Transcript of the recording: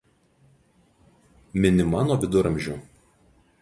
Minima nuo viduramžių.